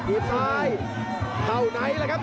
อีกท้ายเท่าไหนละครับ